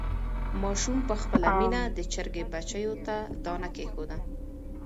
ماشوم په خپله مینه د چرګې بچیو ته دانه کېښوده.